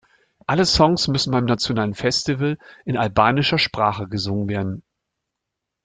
Alle Songs müssen beim nationalen Festival in albanischer Sprache gesungen werden.